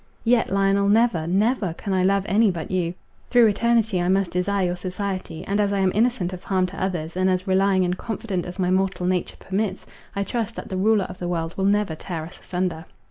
Yet, Lionel, never, never, can I love any but you; through eternity I must desire your society; and, as I am innocent of harm to others, and as relying and confident as my mortal nature permits, I trust that the Ruler of the world will never tear us asunder."